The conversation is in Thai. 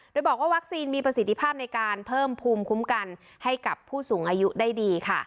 โดยบอกว่าวัคซีนมีประสิทธิภาพในการเพิ่มภูมิคุ้มกันให้กับผู้สูงอายุได้ดีค่ะ